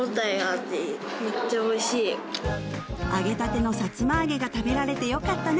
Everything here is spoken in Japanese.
揚げたてのさつま揚げが食べられてよかったね